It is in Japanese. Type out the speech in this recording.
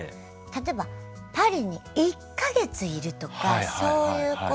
例えばパリに１か月いるとかそういうことをやりたいです。